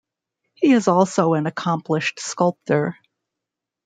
He is also an accomplished sculptor.